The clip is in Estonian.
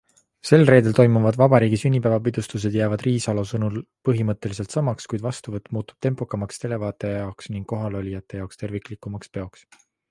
Sel reedel toimuvad vabariigi sünnipäevapidustused jäävad Riisalo sõnul põhimõtteliselt samaks, kuid vastuvõtt muutub tempokamaks televaataja jaoks ning kohalolijate jaoks terviklikumaks peoks.